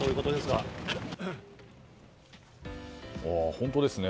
本当ですね。